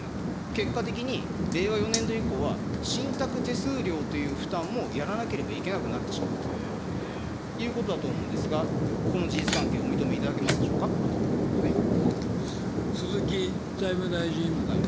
結果的に令和４年度以降は信託手数料という負担もやらなければいけなくなってしまったということだと思うんですが、この事実関係、鈴木財務大臣。